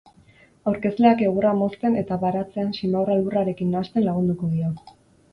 Aurkezleak egurra mozten eta baratzean simaurra lurrarekin nahasten lagunduko dio.